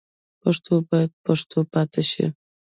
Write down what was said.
پښتو باید پښتو پاتې شي.